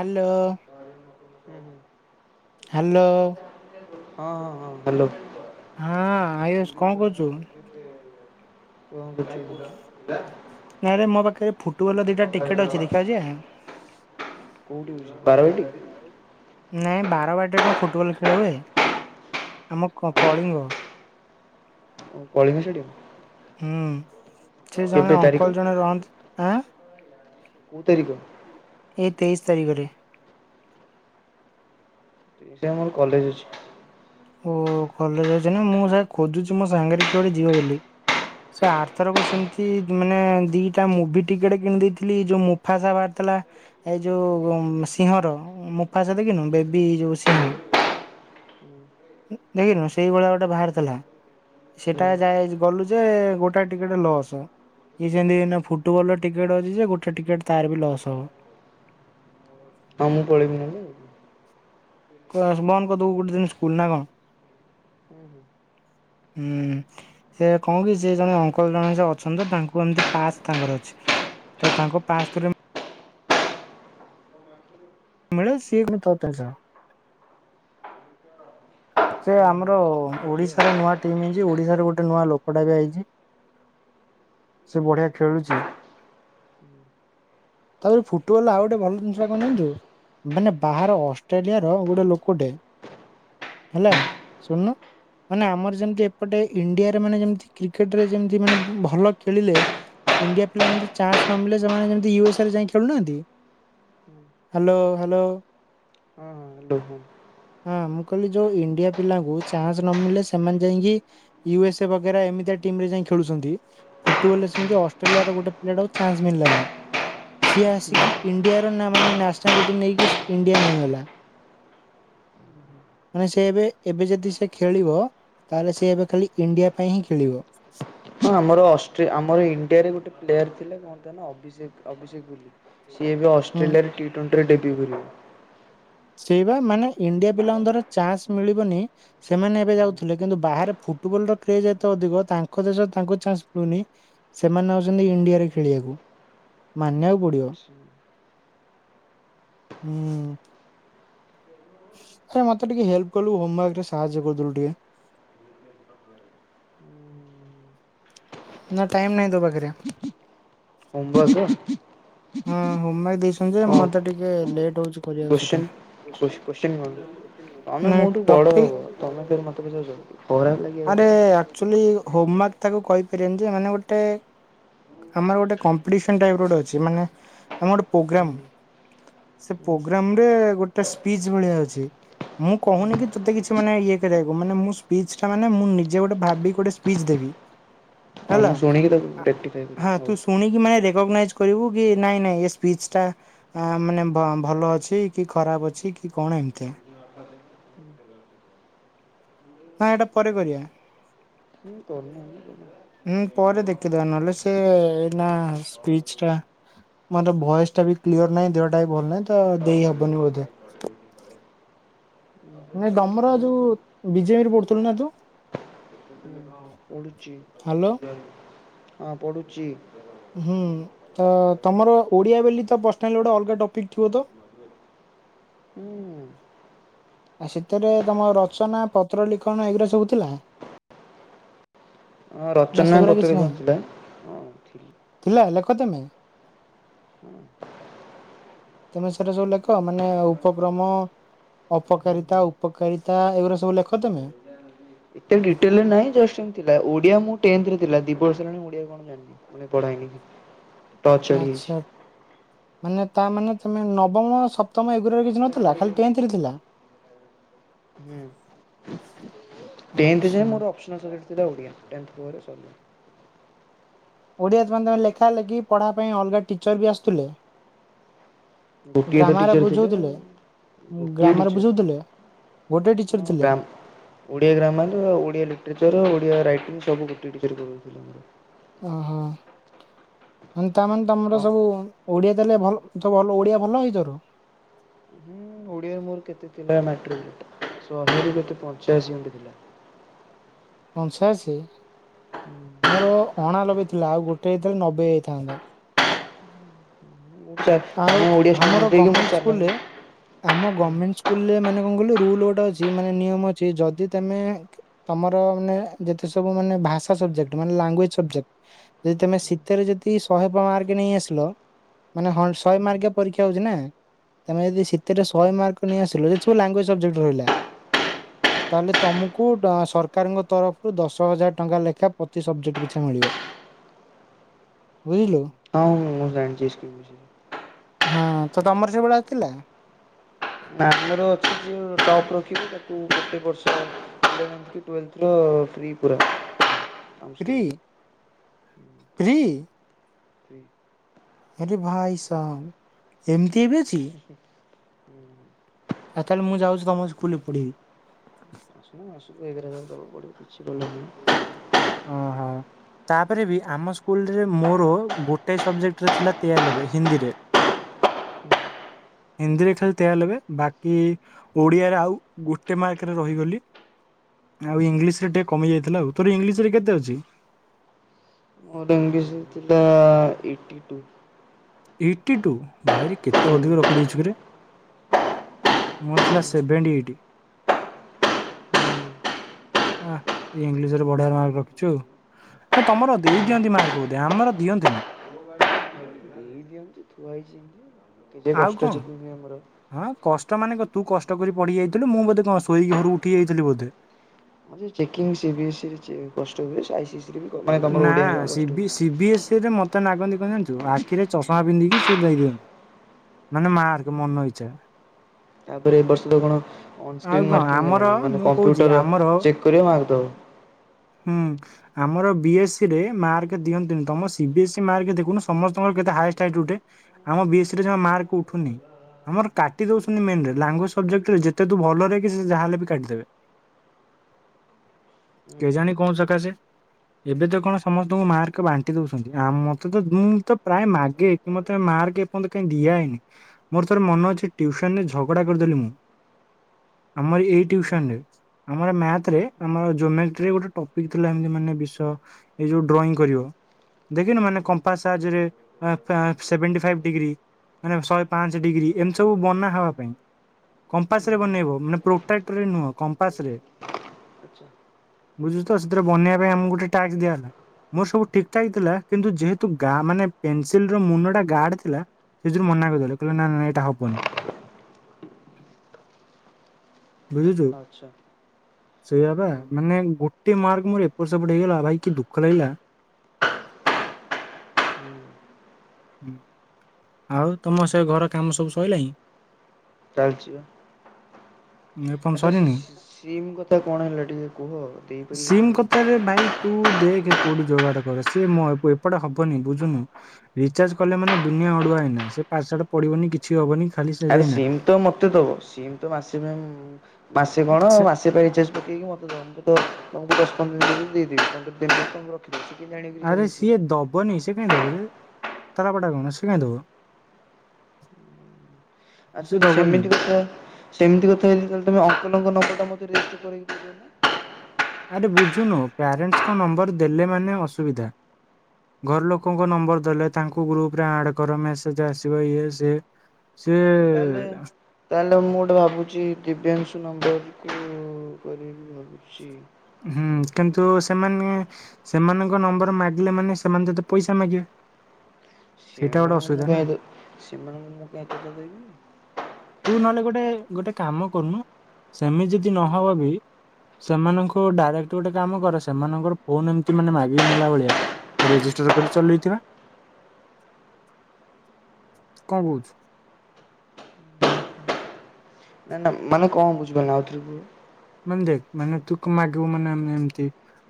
Hello ଉ ହୁଁ। Hello. ହଁ ହଁ ହଁ ହାଲୋ। ହଁ ଆୟୁଷ କଣ କରଛୁ। କୁହନ୍ତୁ ତଥି ପୁରା। ନାଇରେ ମୋ ପାଖରେ ଫୁଟବଲ ଦିଟା ଟିକେଟ ଅଛି ଦେଖିବାକୁ ଯିବା। କୋଉଠି ହଉଛି? ବାରବାଟୀ ନାଇଁ ବାରବାଟିରେ କଣ ଫୁଟବଲ ଖେଳ ହୁଏ ଆମ କ-କ-କଳିଙ୍ଗ। କଳିଙ୍ଗ ଷ୍ଟାଡିୟମ। ହୁଁ। ସେ ଜଣେ କେବେ ତାରିଖ ଅଙ୍କଲ ଜଣେ ରହନ୍ତି ଆଁ। କଉ ତାରିକ। ଏଇ ତେଇଶ ତାରିଖରେ। ତେ। ସେ ଆମର କଲେଜ ଅଛି। ଓ କଲେଜ ଅଛି ନା ମୁଁ ସେ ଖୋଜୁଛି ମୋ ସାଙ୍ଗରେ କିଏ ଗୋଟେ ଯିବ ବୋଲି ସେ ଆର ଥରକ ସେମତି ମାନେ ଦିଟା ମୁଭି ଟିକେଟ କିଣି ଦେଇଥିଲି ଯୋଉ ମୁଫାସା ବାହାରିଥିଲା ଏଇ ଯୋଉ ସିଂହର ମୁଫାସା ଦେଖିନୁ ବେବି ଯୋଉ ସିଂହ। ଦେଖିନୁ ସେଇଭଳିଆ ଗୋଟେ ବାହାର ଥିଲା ସେଟା ଯାଏ ଗଲୁ ଯେ ଗୋଟେ ଟିକେଟ ଲସ୍ ଇଏ ଯେମିତି ଫୁଟବଲର ଟିକେଟ ଅଛି ଯେ ଗୋଟେ ଟିକେଟ ତାର ବି ଲସ୍ ହବ। ହଁ ମୁଁ ପଳେଇିବି ନହେଲେ। ବନ୍ଦ କରିଦବୁ ଗୋଟେ ଦିନ ସ୍କୁଲ ନା କଣ ହୁଁ ସେ କଣ କି ସେ ଜଣେ ଅଙ୍କଲ ଜଣେ ସେ ଅଛନ୍ତି ତ ତାଙ୍କୁ ଏମତି ପାସ୍ ତାଙ୍କର ଅଛି ତ ତାଙ୍କ ପାସ ଥ୍ରୁ ମିଳେ ସେ କିନ୍ତୁ ପ୍ରତେଶ। ସେ ଆମର ହଁ ଯିବା ଆଉ। ହଁ ହଁ ଓଡିଶାର ନୂଆ ଟିମ ହେଇଛି ଓଡିଶାର ଗୋଟେ ନୂଆ ଲୋକଟା ବି ଆଇଚି ସେ ବଢିଆ ଖେଳୁଛି ତାପରେ ଫୁଟବଲ ଆଉ ଗୋଟେ ଭଲ ଜିନିଷଟା ଙ୍କ ଜାଣିଚୁ ମାନେ ବାହାର ଅଷ୍ଟ୍ରେଲିଆ ର ଗୋଟେ ଲୋକଟେ। ହେଲା ଶୁଣନୁ ମାନେ ଆମର ଯେମିତି ଏପଟେ ଇଣ୍ଡିଆରେ ମାନେ ଯେମତି କ୍ରିକେଟରେ ଯେମତି ମାନେ ଭଲ ଖେଳିଲେ ଇଣ୍ଡିଆ ପିଲା ଯେମତି ଚାନ୍ସ ନ ମିଳିଲେ ସେମାନେ ଯେମତି ୟୁ ଏସ ଏ ରେ ଯାଇ ଖେଳୁନାହାନ୍ତି ହାଲୋ ହାଲୋ ହ୍ୟାଲୋ ହଁ ହଁ ହଁ ମୁଁ କହିଲି। ଯଉ ଇଣ୍ଡିଆ ପିଲାଙ୍କୁ ଚାନ୍ସ ନ ମିିଳିଲେ ସେମାନେ ଯାଇକି ୟୁ ଏସ ବଗେରା ଏମିତିଆ ଟିମରେ ଯାଇ ଖେଳୁଛନ୍ତି ଫୁଟବଲ ରେ ସେମତି ଅଷ୍ଟ୍ରେଲିଆ ର ଗୋଟେ ପିଲାଟାକୁ ଚାନ୍ସ ମିଳିଲାନି ସିଏ ଆସିକି ଇଣ୍ଡିଆର ମାନେ ନ୍ୟାସନାଲିଟି ନେଇକି ଇଣ୍ଡିଆନ ହେଇଗଲା। ମାନେ ସେ ଏବେ ଏବେ ଯଦି ସେ ଖେଳିବ ତାହେଲେ ସେ ଏବେ ଖାଲି ଇଣ୍ଡିଆ ପାଇଁ ହିଁ ଖେଳିବ। ହଁ ଆମର ଅଶ୍ଟ୍ର ଆମର ଇଣ୍ଡିଆରେ ଗୋଟେ ପ୍ଲେୟାର ଥିଲା କଣ ତା ନା ଅଭିସେକ ଅଭିଷେକ ବୋଲି। ସି ଏବେ ହୁଁ ଅଷ୍ଟ୍ରେଲିଆରେ ଟି ଟ୍ୱେଣ୍ଟି ଡେବ୍ୟୁ କରିବେ। ସେଇ ବା ମାନେ ଇଣ୍ଡିଆ ପିଲାଙ୍କ ଦ୍ୱାରା ଚାନ୍ସ ମିଳିବନି ସେମାନେ ଏବେ ଯାଉଥିଲେ କିନ୍ତୁ ବାହାରେ ଫୁଟବଲ ର କ୍ରେଜ ଏତେ ଅଧିକ ତାଙ୍କ ଦେଶ ତାଙ୍କୁ ଚାନ୍ସ ମିଳୁନି ସେମାନେ ଆଉଛନ୍ତି ଇଣ୍ଡିଆରେ ଖେଳିବାକୁ ମାନିବାକୁ ପଡିବ ହୁଁ। ଶୁଣ ମତେ ଟିକେ ହେଲ୍ପ କଲୁ ହୋମୱାର୍କ ରେ ସାହାଯ୍ୟ କରିଦେଲୁ ଟିକେ। ନା ଟାଇମ ନାହିଁ ତୋ ପାଖରେ। ହୋମୱାର୍କ। ହଁ ହୋମୱାର୍କ ଦେଇଛନ୍ତି ଯେ ମତେ ଟିକେ ଲେଟ ହଉଛି। କରିବାକୁ ସେଟା କୋତ୍ସିନ୍ କୋ କୋତ୍ସିନ୍ ତମେ ନାଇଁ ମୋଠୁ ବଡ ଟପିକ ହବ ତମେ ଫେରେ ମତେ ପଚରୁଚ ଖରାପ୍ ଲାଗିବା ଆରେ ଆକ୍ଚୁଆଲି କଥା। ହୋମୱାର୍କ ତାକୁ କହିପାରିବନି ଯେ ମାନେ ଗୋଟେ ଆମର ଗୋଟେ କମ୍ପିଟିସନ ଟାଇପ ର ଗୋଟେ ଅଛି ମାନେ। ଆମ ଗୋଟେ ହୁଁ ପ୍ରୋଗ୍ରାମ ସେ ହୁଁ ପ୍ରୋଗ୍ରାମ ହୁଁ ରେ ଗୋଟେ ସ୍ପିଚ ଭଳିଆ ଅଛି ମୁଁ କହୁନି କି ତୋତେ କିଛି ମାନେ ଇଏ କରିବାକୁ ମାନେ ମୁଁ ସ୍ପିଚ ଟା ମାନେ ମୁଁ ନିଜେ ଗୋଟେ ଭାବିକି ଗୋଟେ ସ୍ପିଚ ଦେବି। ହଁ ହେଲା ମୁଁ ଶୁଣିକି ତାକୁ ଆ ରେକ୍ଟିଫାଏ କରିବି ହା ହଉ। ତୁ ଶୁଣିକି ମାନେ ରେକୋଗ୍ନାଇଯ କରିବୁ। କି ନାଇଁ ନାଇଁ ଏ ସ୍ପିଚ ଟା ଆ ମାନେ ଭ ଭଲ ଅଛି କି ଖରାପ ଅଛି କି କଣ ଏମତିଆ। ନାଇ ଏଇଟା ପରେ କରିଆ। ମୁଁ କରୁନି ହୁଁ ପରେ ଦେଖିଦବା ନହେଲେ ସେ ନା ସ୍ପିଚ ଟା ମୋର ଭଏସ ଟା ବି କ୍ଲିୟର ନାହିଁ ଦେହଟା ବି ଭଲ ନାହିଁ ତ ଦେଇହବନି ବୋଧେ। ନାଇ ଗମର ଯୋଉ ବିଜେବିରେ ପଡୁଥିଲୁ ନା ତୁ ପଢୁଛି ହାଲୋ। ହଁ ପଡ଼ୁଚି। ହୁଁ ତ ତମର ଓଡିଆ ବୋଲି ତ ପର୍ସନାଲ ଗୋଟେ ଅଲଗା ଟପିକ ଥିବ ତ। ହୁଁ। ଆଉ ସେଥିରେ ତମ ରଚନା, ପତ୍ର ଲିଖନ, ଏଗୁରା ସବୁ ଥିଲା ହଁ ନା ରଚନା, ସେଗୁରା ପତ୍ର କିଛି ଲିଖନ ନାହିଁ? ଥିଲା। ଥିଲା। ଥିଲା ଲେଖ ତମେ ତମେ ସେଟା ସବୁ ଲେଖ ମାନେ ଉପକ୍ରମ। ହୁଁ ହୁଁ ଅପକାରିତା ଉପକାରିତା ଏଗୁରା ସବୁ ଲେଖ ତମେ? ଏତେ ଡିଟେଲେ ନାହିଁ ଜଷ୍ଟ ଏମତି ଥିଲା ।ଓଡିଆ ମୁ ଟେନଥ ରେ ଥିଲା ଦି ବର୍ଷ ହେଲାଣି ଓଡିଆ କଣ ଜାଣିନି ପଢା ହେଇନି । ଟଚ୍ ଛାଡି ଯାଇଛି। ଆଚ୍ଛା ମାନେ ତା ମାନେ ତମେ ନବମ, ସପ୍ତମ ଏଗୁରା ରେ କିଛି ନଥିଲା ଖାଲି ଟେନଥରେ ଥିଲା। ହୁଁ ଟେନ୍ଥ ଆଚ୍ଛା ଯାଏ ମୋର୍ ଅପ୍ସନାଲ୍ ସବୁଏଠେ ଥିଲା ଓଡ଼ିଆ ଟେନ୍ଥ ପରେ ସବୁ ଓଡ଼ିଆ ଛୁଆ ଙ୍କ ଲେଖା ଲେଖି ପଢ଼ା ପାଇଁ ଅଲଗା ଟିଚର ବି ଆସୁଥିଲେ। ଗୋଟିଏ ତ ଗ୍ରାମାର ଟିଚର ଥିଲେ ବୁଝଉଥିଲେ ଗୋଟିଏ ଗ୍ରାମାର ବୁଝଉଥିଲେ ଗୋଟେ ଟିଚର ଟିଚର ଥିଲେ grammar Odia grammar, Odia literature, Odia write ସବୁ ଗୋଟିଏ କରୁଥିଲେ ପିଲାଙ୍କର। ଓହୋ। ତାମାନେ ତମର ହଁ ସବୁ ଓଡିଆ ଦେଲେ ଭଲ ସବୁ ଭଲ ଓଡିଆ ଭଲ ହେଇଚି ତୋର। ତୁମର କେତେ ଥିଲା ମାଟ୍ରିକ ରେଶହେ ରୁ କେତେ ପଂଚାଅଶୀ ଏମତି ଥିଲା। ପଞ୍ଚାଅଶୀ ମୋର ଅଣା ଲବେଥିଲା ଆଉ ଗୋଟେ ହେଇଥିଲା ନବେ ହେଇଥାନ୍ତା। ମୁ ତା ଆଉ ଓଡ଼ିଆ ଷ୍ଟୁଡେଣ୍ଟ ଆମର ହେଇ ଗଭର୍ଣ୍ଣମେଣ୍ଟ କି ସ୍କୁଲରେ ମୁଁ ଚା ଆମ ଗମେଣ୍ଟ ସ୍କୁଲରେ ମାନେ କଣ କହିଲୁ ରୁଲ୍ ଗୋଟେ ଅଛି ମାନେ ନିୟମ ଅଛି ଯଦି ତମେ ତମ ତ ମାନେ ଯେତେ ସବୁ ମାନେ ଭାଷା ସବଜେଟ ମାନେ ଲାଙ୍ଗୁଏଜ୍ ସବଜେଟ ଯଦି ତମେ ସେଥିରେ ଯଦି ଶହେ ମାର୍କ ନେଇଆସିଲ ମାନେ ହନ ଶହେ ମାର୍କିଆ ପରୀକ୍ଷା ହଉଚି ନା ତମେ ଯଦି ସେଥିରେ ଶହେ ମାର୍କ ନେଇଆସିଲ ଯେତେ ସବୁ ଲାଙ୍ଗୁଏଜ୍ ସବ୍ଜେଟ୍ ରହିଲା ତାହେଲେ ତମକୁ ସର୍ କାରଙ୍କ ତରଫରୁ ଦଶ ହଜାର ଟଙ୍କା ଲେଖା ପ୍ରତି ସବଜେକ୍ଟ ପିଛା ମିଳିବ ବୁଝିଲୁ। ହଁ ମୁଁ ଜାଣିଛି ଏ ସବୁ ବିଷୟରେ। ହଁ ତ ତମର ସେଭଳିଆ ଥିଲା। ଦେଖିଲି ତାକୁ ଗୋଟେ ବର୍ଷ ଇଲେଭେନ୍ଥ କି ଟୁଏଲଭ ଫ୍ରି ପୁରା। ଆମ ଫ୍ରି ସ୍କୁଲରେ ଫ୍ରି। ହୁଁ। ଆରେ ଭାଇ ସାଙ୍ଗ୍ ଏମିତି ଇଏ ବି ଅଛି। ଉଁହୁଁ। ଆଉ ତାହେଲେ ମୁଁ ଯାଉଛି ତମ ସ୍କୁଲରେ ପଢିବି। ଆସୁନୁ ଆସୁନୁ। ଏଗାର ହଜାର ଟଙ୍କା ବଢିଛି। [inaudible] ଓହୋ। ତାପରେ ବି ଆମ ସ୍କୁଲରେ ମୋର ଗୋଟେ ସବଜେକ୍ଟରେ ଥିଲା ତେୟାଲବେ ହିନ୍ଦୀରେ ହିନ୍ଦୀରେ ଖାଲି ତେୟାଲବେ ବାକି ଓଡ଼ିଆରେ ଆଉ ଗୋଟେ ମାର୍କରେ ରହିଗଲି ଆଉ ଇଂଲିଶରେ କମି ଯାଇଥିଲା ଆଉ ତୋର ଇଂଲିଶ ରେ କେତେ ଅଛି? ମୋର ଇଂଲିଶ ରେ ଥିଲା ଏଇଟି ଟୁ। ଏଇଟି ଟୁ ଭାଇ କେତେ ଅଧିକ ରଖିଦେଇଚୁ ରେ ମୋର ଥିଲା ସେଭେନ୍ଟି ଏଇଟି। ଦେଇ ଆହା ଏ ଇଂଲିଶରେ ବଢିଆ ମାର୍କ ରଖିଛୁ ନା ତମର ଦେଇ ଦିଅନ୍ତି ମାର୍କ ବୋଧେ ଆମର ଦିଅନ୍ତିନି। ଏତେ କଷ୍ଟ ଯିବଣରେ ଆମର। ତା ମାନେ କଣ ତୁ କଷ୍ଟ କରି ପଢଡିି ଯାଇଥିଲୁ ମୁଁ ବୋଧେ କଣ ଶୋଇକି ଘରୁକୁ ଉଠି ଯାଇଥିଲି ବୋଧେ। ହଁ ଯେ checking C B S E ରେ କଷ୍ଟ ହୁଏ ସେ ଆଇ ସି ଏସ ଇ। ନା C B C B S E ରେ ମତେ ସେ ନାଗନ୍ତି କଣ ଜାଣିଛୁ ଆଖିରେ ଚଷମା ପିନ୍ଧିକି ସେ ଦେଇଦିଅନ୍ତି ମାନେ ମାର୍କ ମନ ଇଚ୍ଛା। ତା ପରେ ଏ ବର୍ଷ ତ କଣ। ଅନ ଆଉ ସ୍କ୍ରିନ କଣ ମାର୍କିଙ୍ଗ ଆମର ହେଲାଣି ମାନେ ମୁଁ କହୁଛି କମ୍ପୁଟର ଚେକ କରିବ ମାର୍କ ଦେବ। ହଁ ଆମର ବି ଏସ ଇ ରେ ମାର୍କ ଦିଅନ୍ତିନି ତମ C B S C mark ଦେଖୁନ ସମସ୍ତଙ୍କର କେତେ ହାଇଏଷ୍ଟେ ହାଇଏଷ୍ଟ ଉଠେ ଆମ ବି ଏସ ସି ରେ ମାର୍କ ଉଠୁନି ଆମର କାଟି ଦଉଚନ୍ତି ମେନ ରେ ଲଙ୍ଗୁଏଜେ ସବଜେକଟରେ ଯେତେ ତୁ ଭଲ ଲେଖେ ସିଏ ଯାହା ହେଲେ ବି କାଟିଦେବେ। ହୁଁ କେ ହୁଁ ଜାଣି କଉ ସକାସେ ଏବେ ତ କଣ ସମସ୍ତଙ୍କ ମାର୍କ ବାଣ୍ଟିଦେଉଛନ୍ତି ଆମ ମତେ ମୁଁ ତ ପ୍ରାୟ ମାଗେ ମତେ ମାର୍କ ଏପଯ୍ୟନ୍ତ କାହିଁ ଦିଆ ହେଇନାହିଁ ମୋର ଥରେ ମନେଅଛି ଟିଉସନରେ ଝଗଡା କରିଦେଲି ମୁଁ ଆମରି ଏଇ ହୁଁ ଟିଉସନରେ ଆମ ମ୍ୟାଥରେ ଆମ ଜୋମେଟ୍ରି। ଏ ଗୋଟେ ଟପିକ ଥିଲା ଏମିତି ମାନେ ବିଷୟ ଏ ଯୋଉ ଡ୍ରଇଙ୍ଗ କରିବ ଦେଖିନୁ ମାନେ ହୁଁ କମ୍ପାସ ସାହାଯ୍ୟରେ ସେଭେଣ୍ଟି ଫାଇବ ଡ଼ିଗ୍ରୀ ମାନେ ଶହେ ପାଞ୍ଚ ଡ଼ିଗ୍ରୀ ଏମିତି ସବୁ ବନା ହବା ହୁଁ ପାଇଁ ହୁଁ କମ୍ପାସରେ ହୁଁ ବନାଇବ ମାନେ ପ୍ରୋଟାକ୍ଟରରେ ନୁହଁ କମ୍ପାସରେ। ଆଚ୍ଛା ବୁଝୁ ତ ସେଥିରେ ବନେଇବା ପାଇଁ ଆମକୁ ଗୋଟେ ଟ୍ୟାସ୍କ ଦିଆଗଲା ମୋର ସବୁ ଠିକଠାକ୍ ଥିଲା କିନ୍ତୁ ଯେହେତୁ ଗାଁ ମାନେ ପେନସିଲର ମୁନଟା ଗାଡ ଥିଲା ସେଥିରେ ମନା କରିଦେଲେ କହିଲେ ନା ନାଁ ଏଇଟା ହବନି। ବୁଝୁଛୁ ଆଚ୍ଛା। ସେଇଆ ବା ହୁଁ ମାନେ ଗୋଟ୍ ଗୋଟେ ମାର୍କ ମୋର ଏପଟ ସେପଟ ହେଇଗଲା ଭାଇ କି ଦୁଃଖ ଲାଗିଲା, ହୁଁ ହୁଁ ଆଉ ତମ ସେ ଘର କାମ ସବୁ ସଇଲାଣିି? ଚାଲିଛି ଵା। ଏପର୍ଯ୍ୟନ୍ତ ଆଚ୍ଛା ସେ ସରିନି? ସି ସିମ୍ କଥା କଣ ହେଲା ଟିକେ କୁହ? ଦେଇପାରିବ କି ସିମ୍ ନାହିଁ? କଥାରେ ଭାଇ ତୁ ଦେଖ କୋଉଠି? ଯୋଗାଡ କର ସେ ମୋ ଏପଟେ ହବନି ବୁଝୁନୁ ରିଚାର୍ଜ କଲେ ମାନେ ଦୁନିଆ ଅଡୁଆ ଏଇନା ସେ ପାସୱାର୍ଡ ପଢ଼ିବନି କିଛି ହବନି ଖାଲି ସେ ଆରେ ଦେଇନା ସିମ୍ ତ ମତେ ଦବ ସିମ୍ ତ ମାସେ ପାଇଁ ମାସେ କଣ ସେ ମାସେ ପାଇଁ ରିଚାର୍ଜ ପକେଇକି ମତେ ଦବ ମୁଁ [inaudible] ଓ ତମକୁ ଦଶ ପନ୍ଦର ଦିନ ଭିତରେ ଦେଇଦେବି [inaudible] ମୁଁ ରଖିଦଉଛି। ଆରେ ସିଏ ଦବନି ସେ କାଇଁ ଦବ ଯେ? ତା ଲାଭଟା କଣ ସେ କାଇଁ ଦେବ? ଆଚ୍ଛା ସେମିତି କଥା ସେମିତି କଥା ଯଦି ତମେ ତାହେଲେ ତମେ ଅଙ୍କଲଙ୍କ ନମ୍ବରଟା ମୋତେ [unintelligible] କରିକି ଦେଇଦେଉନ? ଆରେ ବୁଝୁନୁ ପ୍ୟାରେଣ୍ଟସଙ୍କ ନମ୍ବର ଦେଲେ ମାନେ ଅସୁବିଧା ଘର ଲୋକଙ୍କ ନମ୍ବର ଦେଲେ ତାଙ୍କୁ ଗ୍ରୁପରେ ଆଡ୍ କର ମେସେଜ ଆସିବ ଇଏ ସିଏ ସିଏ ତାହେଲେ ତାହେଲେ ମୁଁ ଗୋଟେ ଭାବୁଛି ଦିବ୍ୟାଂଶୁ ନମ୍ବର [unintelligible] କରିବି ଭାବୁଛି। ହୁଁ କିନ୍ତୁ ସେମାନେ ସେମାନଙ୍କ ନମ୍ବର ମାଗିଲା ମାନେ ସେମାନେ ତତେ ପଇସା ମାଗିବେ। ସେଇଟା ଗୋଟେ ସେମାନଙ୍କୁ ମୁଁ ଅସୁବିଧା ନା। କାଇଁ ଦେବି ସେମାନଙ୍କୁ ମୁଁ କାଇଁ ପଇସା ଦେବିି କି? ତୁ ନହେଲେ ଗୋଟେ ଗୋଟେ କାମ କରୁନୁ? ସେମିତି ଯଦି ନହବ ବି ସେମାନଙ୍କ ଡାଇରେକ୍ଟ ଗୋଟେ ଗୋଟେ କାମ କର ସେମାନଙ୍କର ଫୋନ୍ ଏମିତି ମାନେ ମାଗିକି ନେଲା ଭଳିଆ ରେଜିଷ୍ଟର୍ କରି ଚଲେଇଥିବା, କଣ କହୁଚୁ? [inaudible] ନା-ନା ମାନେ କଣ ବୁଝିପାରୁନି ଆଉ ଥରେ କୁହ। ମାନେ ଦେଖ୍ ମାନେ ତୁ ମାଗିବୁ ମାନେ ଏମିତି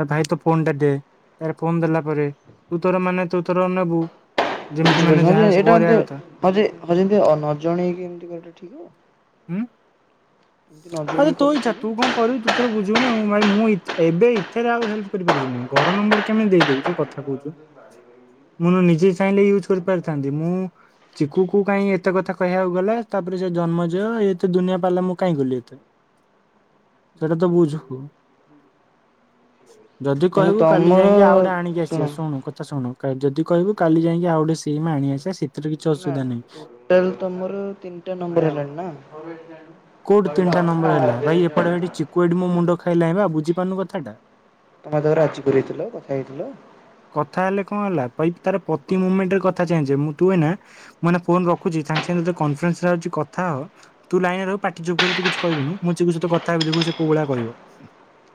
ଆ ଭାଇ ତୋ ଫୋନଟା ଦେ ୟାର ତା ଫୋନ୍ ଦେଲା ପରେ ତୁ ତୋର ମାନେ ତୁ ତୋର ନେବୁ। ଯେମିତି ମାନେ ହଁ ଯାହା ଯେ ସବୁ ଏଇଟା କରିବା ଏଯେ କଥା ହଁ ଯେ ହଁଯେ ନଜଣେଇକି ଏମିତି କରିବା ଠିକ ହବ? ହୁଁ, ଏମିତି ନ ଆରେ ଜଣେଇକି ତୋ କଲେ ଠିକ୍ ଇଚ୍ଛା ତୁ ହବ କଣ କରିବୁ ତୁ ତୋର ବୁଝିବୁନା ଭାଇ ମୁଁ ମୁଁ ଏତି ଏବେ ଏଥିରେ ଆଉ ହେଲ୍ପ୍ କରିପାରିବିନି ଘର ନମ୍ବର କେମିତି ଦେଇଦେବି ଯେ କଥା କହୁଛୁ ମୁଁ ନିଜେ ଚାହିଁଲେ ୟୁଜ୍ କରିପାରିଥାନ୍ତି ମୁଁ ଚିକୁକୁୁ କାଇଁ ଏତେ କଥା କହିବାକୁ ଗଲା ତାପରେ ସେ ଜନ୍ମଯ [inaudible] ଏତେ ଦୁନିଆ ପାଲା ମୁଁ କାହିଁ କଲି ଏତେ ସେଇଟା ତ ବୁଝ? ଯଦି ମାନେ କହିବୁ କାଲି ତମର ଯାଇକି ଆଉ ଗୋଟେ ଆଣିକି ଶୁଣ ଆସିବା ଶୁଣୁ କଥା ଶୁଣୁ ଯଦି କହିବୁ କାଲି ଯାଇକି ଆଉ ଗୋଟେ ସିମ୍ ଆଣି ଆସିବା ସେଥିରେ କିଛି ନା ଅସୁବିଧା ନାହିଁ। ଟୋଟାଲ ତମର ତିନିଟା ନମ୍ବର [unintelligible] କୋଉଠୁ ତିନିଟା ନମ୍ବର ହେଲା ଭାଇ ଏପଟେ ଏଠି ଚିକୁ ଏଇଠି ମୋ ମୁଣ୍ଡ ଖାଇଲାଣି ବୁଝ ବୁଝିପାରିନୁ କଥାଟା ତମେ ତାକୁ ରାଜି କରେଇଥିଲ କଥା ହେଇଥିଲ। କଥା ହେଲେ [unintelligible] ତାର ପ୍ରତି ମୁମେଣ୍ଟେରେ କଥ୍ କଥା ଚେଞ୍ଜ୍ ହୁଏ ତୁ ଏଇନା ମୁଁ ଏନା ଫୋନ୍ ରଖୁଛି ସାଙ୍ଗେ ସାଙ୍ଗେ ତତେ କନଫରେନ୍ସ୍ ଅଛି କଥା ହ ତୁ ଲାଇନ୍ ରେ ରହିବୁ ପାଟି ଚୁପ୍ କରି ତୁ କିଛି କହିବୁନୁ ମୁଁ ଚିକୁ ସହିତ କଥାହେବି ଦେଖିବୁ ସେ କୋଉ ଭଳିଆ କହିବ।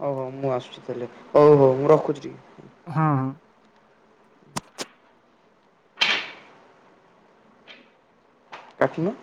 ହଉ ହଉ ମୁଁ ଆସୁଛି ତାହେଲେ ହଉ ହଉ ମୁଁ ରଖୁଛି ଟିକେ ହଁ ହଁ। କାଟୁନୁ।